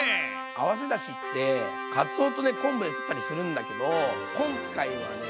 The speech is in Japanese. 合わせだしってかつおと昆布で取ったりするんだけど今回はね